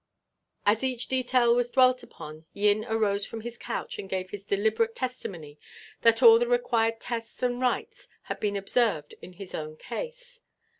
As each detail was dwelt upon Yin arose from his couch and gave his deliberate testimony that all the required tests and rites had been observed in his own case.